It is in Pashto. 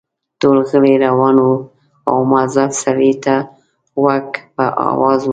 ټول غلي روان وو او مؤظف سړي ته غوږ په آواز وو.